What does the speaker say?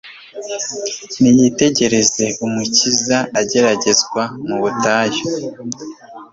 niyitegereze Umukiza ageragezwa mu butayu.